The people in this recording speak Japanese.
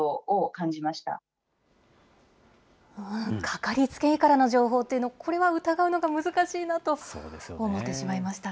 かかりつけ医からの情報っていうの、これは疑うのが難しいなと思ってしまいましたが。